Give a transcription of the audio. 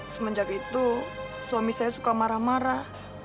semenjak itu suami saya suka marah marah